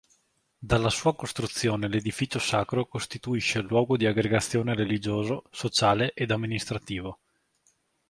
Dalla sua costruzione l'edificio sacro costituisce luogo di aggregazione religioso, sociale ed amministrativo.